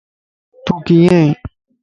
تو ڪيئن ائين؟